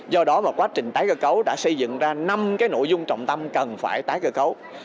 do đó mà quá trình tái cơ cấu đã xây dựng ra năm cái nội dung trọng tâm cần phải tái cơ cấu